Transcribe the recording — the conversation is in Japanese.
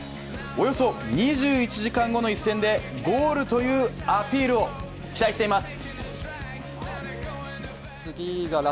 およそ２１時間後の一戦でゴールというアピールを期待しています！